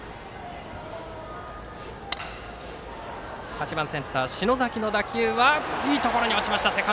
８番センター、篠崎の打球はいいところに落ちました。